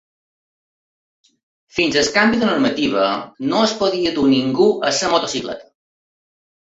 Fins al canvi de normativa, no es podia portar ningú a la motocicleta.